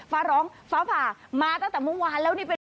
ฟ้าร้องฟ้าผ่ามาตั้งแต่เมื่อวานแล้วนี่เป็น